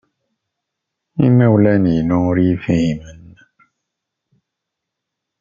Imawlan-inu ur iyi-fhimen.